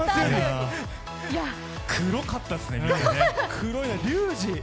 黒かったですね。